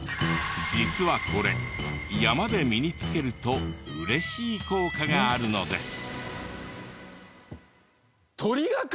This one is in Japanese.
実はこれ山で身につけると嬉しい効果があるのです。